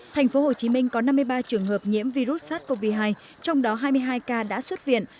tp hcm có năm mươi ba trường hợp nhiễm virus sars cov hai trong đó hai mươi hai ca đã xuất viện